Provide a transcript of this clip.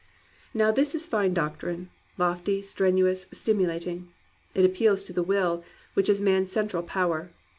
Now this is fine doctrine, lofty, strenuous, stimulat ing. It appeals to the will, which is man's central power.